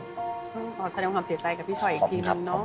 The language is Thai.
ขอแสดงความเสียใจกับพี่ชอยอีกทีนึงเนาะ